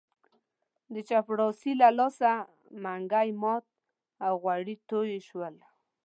د چپړاسي له لاسه منګی مات او غوړي توی شول.